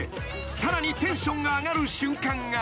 ［さらにテンションが上がる瞬間が］